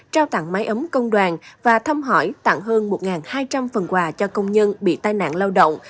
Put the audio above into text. trao tặng máy ấm công đoàn và thăm hỏi tặng hơn một hai trăm linh phần quà cho công nhân bị tai nạn lao động